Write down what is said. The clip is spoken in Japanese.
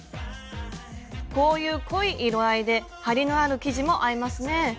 こういう濃い色合いで張りのある生地も合いますね。